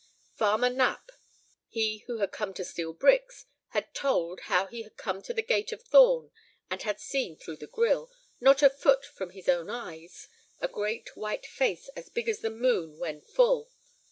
Farmer Knapp, he who had come to steal bricks, had told how he had come to the gate of Thorn and had seen through the grill, not a foot from his own eyes, a great white face as big as the moon when full.